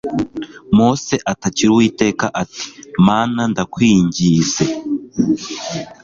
mose atakira uwiteka ati mana ndakwingize